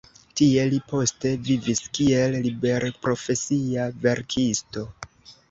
Tie li poste vivis kiel liberprofesia verkisto.